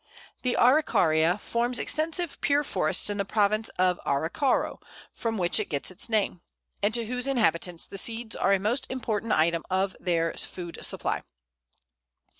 ] The Araucaria forms extensive pure forests in the province of Arauco, from which it gets its name, and to whose inhabitants the seeds are a most important item of their food supply.